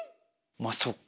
まあそっか。